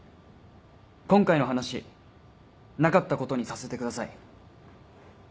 今回の話なかったことにさせてください。